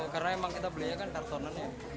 karena emang kita belinya kan kartonannya